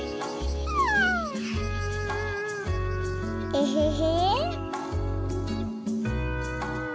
エヘヘ。